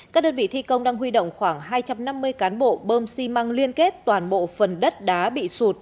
các đơn vị thi công đang huy động khoảng hai trăm năm mươi cán bộ bơm xi măng liên kết toàn bộ phần đất đá bị sụt